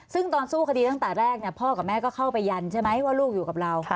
ซึ่งตอนสู้คดีตั้งแต่แรกพ่อกับแม่ก็เข้าไปยันใช่ไหมว่าลูกอยู่กับเรา